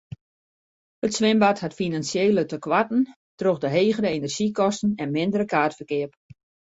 It swimbad hat finansjele tekoarten troch de hegere enerzjykosten en mindere kaartferkeap.